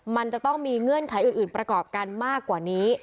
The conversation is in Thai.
มันจะต้องมีเงื่อนไขอื่นประกอบกันมากกว่านี้